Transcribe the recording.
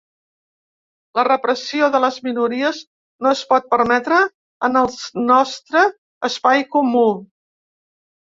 La repressió de les minories no es pot permetre en els nostre espai comú.